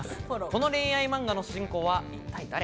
今の恋愛漫画の主人公は一体誰？